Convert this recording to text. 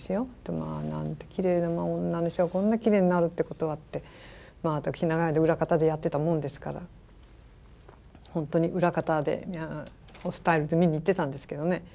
まあなんてきれいな女の人がこんなきれいになるってことはって私長い間裏方でやってたもんですから本当に裏方で見に行ってたんですけどね。